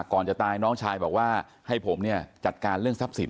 ก่อนจะตายน้องชายบอกว่าให้ผมเนี่ยจัดการเรื่องทรัพย์สิน